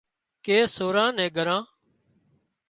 ڪي سوران نين ڳران